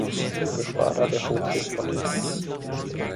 Geschwader der Hochseeflotte.